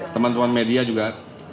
teman teman media juga